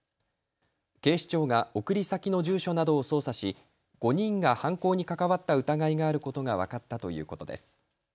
警視庁が送り先の住所などを捜査し５人が犯行に関わった疑いがあることが分かったということです。